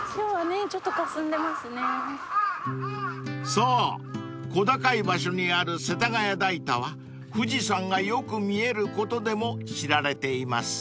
［そう小高い場所にある世田谷代田は富士山がよく見えることでも知られています］